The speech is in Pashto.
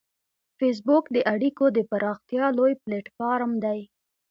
فېسبوک د اړیکو د پراختیا لوی پلیټ فارم دی